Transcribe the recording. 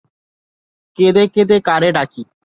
কেঁদে কেঁদে কারে ডাকি।